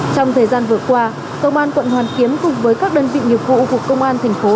trong thời gian vừa qua công an quận hoàn kiếm cùng với các đơn vị nghiệp vụ của công an thành phố